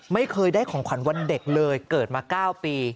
ไม่เคยได้ของขวัญวันเด็กเลยเกิดมา๙ปี